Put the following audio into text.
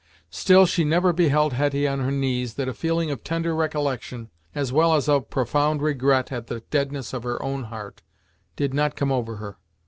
Still she never beheld Hetty on her knees, that a feeling of tender recollection, as well as of profound regret at the deadness of her own heart, did not come over her.